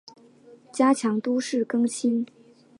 加强都市更新